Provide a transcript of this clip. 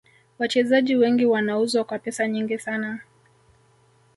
Wachezaji wengi wanauzwa kwa pesa nyingi sana